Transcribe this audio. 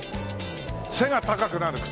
「背が高くなる靴」